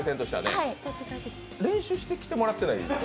練習してきてもらってない？